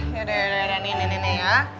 yaudah ini nih ya